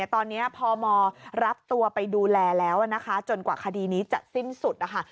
ตอนนี้พมรับตัวไปดูแลแล้วนะคะจนกว่าคดีนี้จะสิ้นสุดนะคะ